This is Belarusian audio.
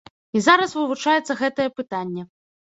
І зараз вывучаецца гэтае пытанне.